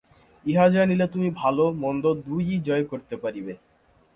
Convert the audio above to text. ইহা জানিলে তুমি ভাল-মন্দ দুই-ই জয় করিতে পারিবে।